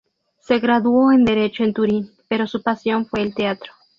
Se graduó en Derecho en Turín, pero su pasión fue el teatro.